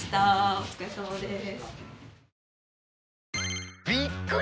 お疲れさまです